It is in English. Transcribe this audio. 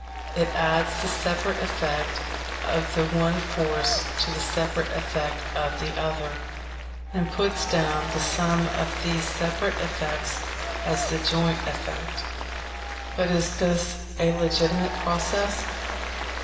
It adds the separate effect of the one force to the separate effect of the other, and puts down the sum of these separate effects as the joint effect. But is this a legitimate process?